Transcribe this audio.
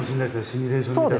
シミュレーション見たら。